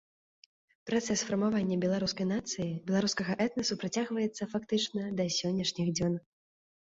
Працэс фармавання беларускай нацыі, беларускага этнасу працягваецца фактычна да сённяшніх дзён.